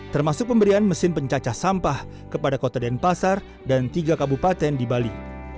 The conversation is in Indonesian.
termasuk pemberian mesin pencacah sampah kepada kota denpasar dan tiga kabupaten di bali